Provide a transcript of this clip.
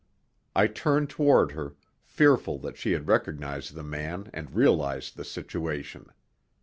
I turned toward her, fearful that she had recognized the man and realized the situation.